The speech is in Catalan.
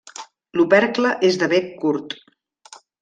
L'opercle és de bec curt.